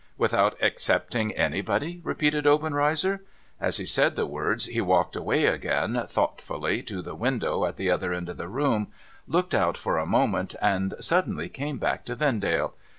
' Without excepting anybody ?' repeated Obenreizer. As he said the words, he walked away again, thoughtfully, to the window at the other end of the room, looked out for a moment, and suddenly 536 NO THOROUGHFARE came back to Vendale.